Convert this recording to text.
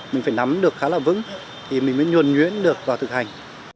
mình phải nắm được khá là vững thì mình mới nhuồn nhuyễn được vào thực hành